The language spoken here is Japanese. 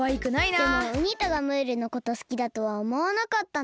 でもウニ太がムールのことすきだとはおもわなかったな。